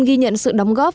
ghi nhận sự đóng góp